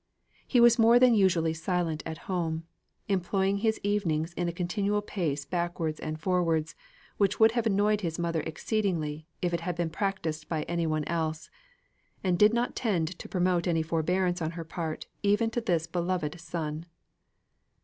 He was more than usually silent at home; employing his evenings in a continual pace backwards and forwards, which would have annoyed his mother exceedingly if it had been practised by any one else; and did not tend to promote any forbearance on her part even to this beloved son.